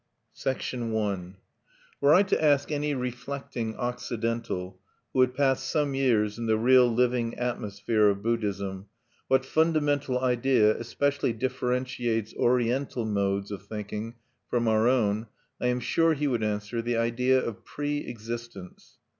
I Were I to ask any reflecting Occidental, who had passed some years in the real living atmosphere of Buddhism, what fundamental idea especially differentiates Oriental modes of thinking from our own, I am sure he would answer: "The Idea of Pre existence."